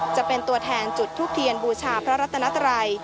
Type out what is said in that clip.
จะเป็นตัวแทนจุดทูปเทียนบูชาพระรัตนัตรัย